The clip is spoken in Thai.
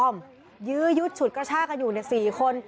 มันไม่ยอมยืดยุดฉุดกระชากันอยู่ในสี่คน